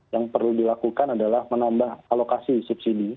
yang perlu dilakukan adalah menambah alokasi subsidi